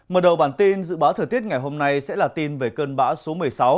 mở đầu bản tin dự báo thời tiết ngày hôm nay sẽ là tin về cơn bão số một mươi sáu